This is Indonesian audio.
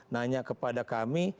nanya kepada kami